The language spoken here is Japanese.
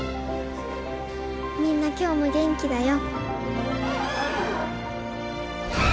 みんな今日も元気だよ。